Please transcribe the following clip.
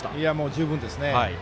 十分ですね。